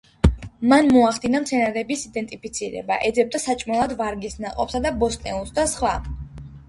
მან მოახდინა მცენარეების იდენტიფიცირება, ეძებდა საჭმელად ვარგის ნაყოფსა და ბოსტნეულს და სხვა.